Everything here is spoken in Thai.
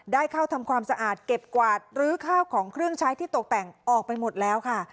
ได้เข้าทำความสะอาดเก็บกวาดลื้อข้าวของเครื่องใช้ที่ตกแต่งออกไปหมดแล้วค่ะ